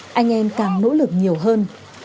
mưa càng lớn anh em càng nỗ lực nhiều hơn